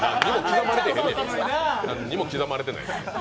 何も刻まれてない。